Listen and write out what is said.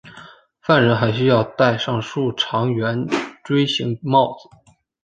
犯人还需要戴上竖长圆锥形帽子。